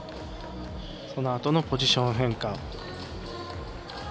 そのあとのポジション変化。